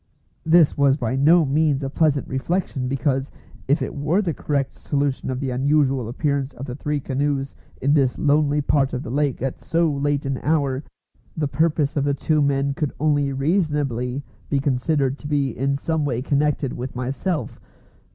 This was by no means a pleasant reflection, because, if it were the correct solution of the unusual appearance of the three canoes in this lonely part of the lake at so late an hour, the purpose of the two men could only reasonably be considered to be in some way connected with myself.